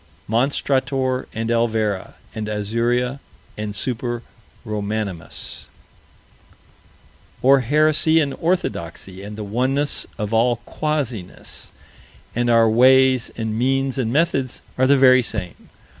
Monstrator and Elvera and Azuria and Super Romanimus Or heresy and orthodoxy and the oneness of all quasiness, and our ways and means and methods are the very same.